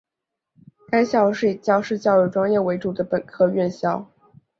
该校是以教师教育专业为主的本科院校。